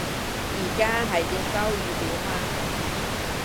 而家係要收語料嘛